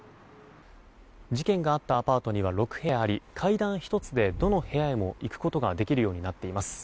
事件があったアパートには６部屋あり階段１つでどの部屋にも行くことができるようになっています。